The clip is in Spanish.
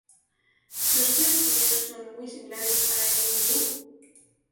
Los tres primeros son muy similares a El Gurugú.